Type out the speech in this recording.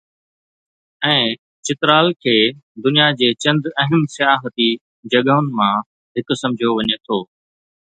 ۽ چترال کي دنيا جي چند اهم سياحتي جڳهن مان هڪ سمجهيو وڃي ٿو.